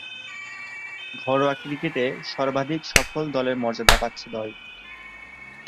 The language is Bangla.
ঘরোয়া ক্রিকেটে সর্বাধিক সফল দলের মর্যাদা পাচ্ছে দলটি।